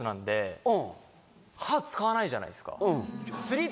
歯使わないじゃないですか。